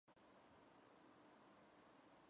იგი იყო სომხეთის ეროვნული საფეხბურთო ნაკრების წევრი.